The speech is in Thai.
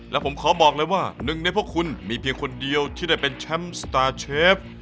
และผมขอบอกเลยว่าหนึ่งในพวกคุณมีเพียงคนเดียวที่ได้เป็นแชมป์สตาร์เชฟ